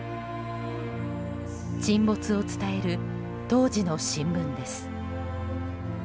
沈没を伝える、当時の新聞です。